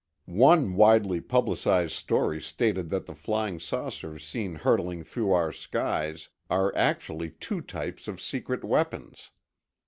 One widely publicized story stated that the flying saucers seen hurtling through our skies are actually two types of secret weapons.